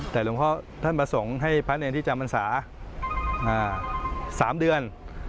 แต่หลวงพ่อท่านประสงค์ให้พระเนรที่จำพรรษา๓เดือน